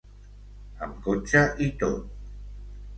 Amb cotxe i tot.